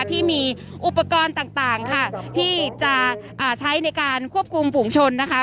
ที่มีอุปกรณ์ต่างค่ะที่จะใช้ในการควบคุมฝูงชนนะคะ